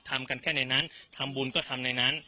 ทำกันแค่ในนั้นทำบุญก็ทำในนั้น